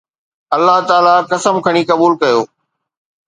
الله تعاليٰ قسم کڻي قبول ڪيو